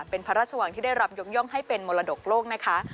เป็นพระราชวังที่ได้รับยกย่องให้เป็นมรดกโลกนะคะ